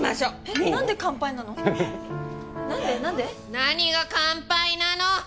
何が乾杯なの！？